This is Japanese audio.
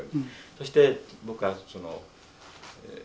そして僕はその。